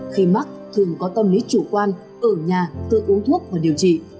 khi mắc thường có tâm lý chủ quan ở nhà tự uống thuốc và điều trị